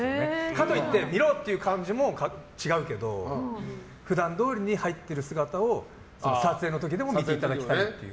かといって見ろっていう感じも違うけど普段どおりに入っている姿を撮影の時でも見ていただきたいという。